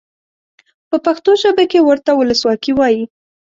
په پښتو ژبه کې ورته ولسواکي وایي.